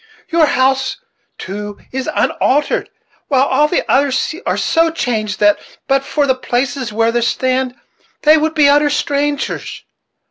Your house, too, is unaltered, while all the others are so changed that, but for the places where they stand, they would be utter strangers.